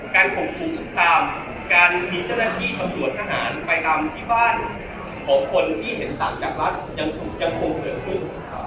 การคงผลงจากตามการมีเจ้าหน้าชุดถัดส่วนทะหารไปตามที่บ้านของคนที่เห็นต่างจากรัฐยังพึ่ง